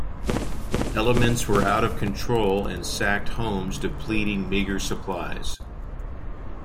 Elements were out of control and sacked homes depleting meager supplies.